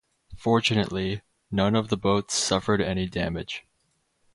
Fortunately, none of the boats suffered any damage.